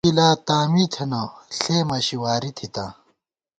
مونہ گِلا تاں می تھنہ ، ݪے مَشی واری تھِتاں